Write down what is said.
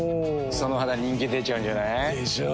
その肌人気出ちゃうんじゃない？でしょう。